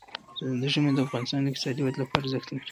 ژمی د افغانستان د اقتصادي ودې لپاره ارزښت لري.